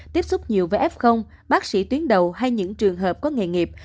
tiếp xúc nhiều với f bác sĩ tuyến đầu hay những trường hợp có nghề nghiệp